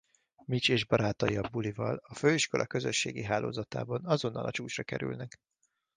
Mitch és barátai a bulival a főiskola közösségi hálózatában azonnal a csúcsra kerülnek.